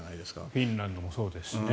フィンランドもそうですしね。